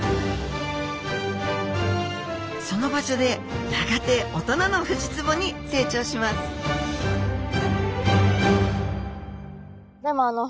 その場所でやがて大人のフジツボに成長しますでもあの